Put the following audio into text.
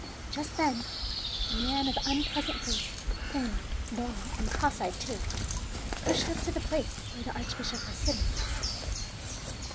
Just then a man of unpleasant face, thin, bony, and cross eyed too, pushed up to the place where the archbishop was sitting.